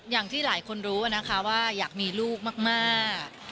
อย่างที่หลายคนรู้นะคะว่าอยากมีลูกมาก